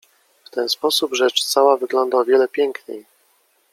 W ten sposób rzecz cała wygląda o wiele piękniej.